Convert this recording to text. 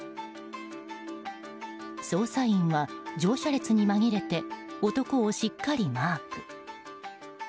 捜査員は、乗車列に紛れて男をしっかりマーク。